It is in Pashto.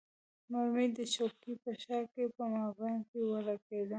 مرمۍ د چوکۍ په شا کې په مابین کې ولګېده.